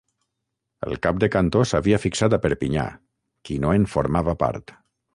El cap de cantó s'havia fixat a Perpinyà, qui no en formava part.